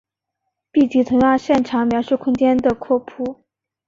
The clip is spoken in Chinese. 闭集同样擅长描述空间的拓扑。